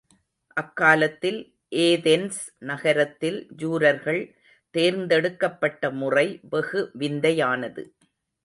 அக்காலத்தில் ஏதென்ஸ் நகரத்தில் ஜூரர்கள் தேர்ந்தெடுக்கப்பட்ட முறை வெகு விந்தையானது.